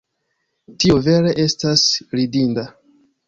Tio vere estas ridinda!